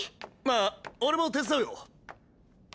あっ俺も手伝うよ。